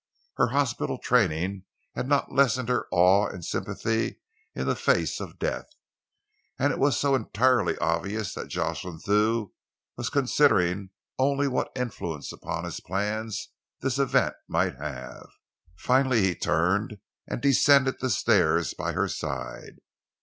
Her hospital training had not lessened her awe and sympathy in the face of death, and it was so entirely obvious that Jocelyn Thew was considering only what influence upon his plans this event might have. Finally he turned and descended the stairs by her side.